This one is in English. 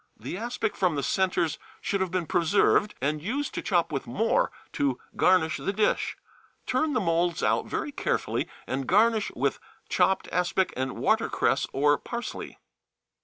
The aspic from the centres should have been preserved and used to chop with more to garnish the dish. Turn the moulds out very carefully, and garnish with chopped aspic and watercress or parsley.